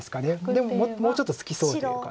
でももうちょっとつきそうという感じです。